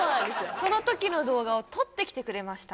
そのときの動画を撮ってきてくれました